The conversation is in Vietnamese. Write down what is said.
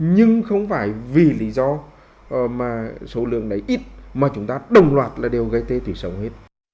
nhưng không phải vì lý do mà số lượng đấy ít mà chúng ta đồng loạt là đều gây tê tủy sống hết